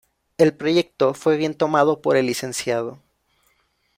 El proyecto fue bien tomado por el Lic.